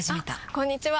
あこんにちは！